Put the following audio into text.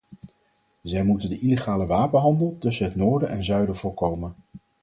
Zij moet de illegale wapenhandel tussen het noorden en zuiden voorkomen.